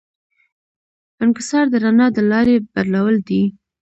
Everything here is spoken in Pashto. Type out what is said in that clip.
انکسار د رڼا د لارې بدلول دي.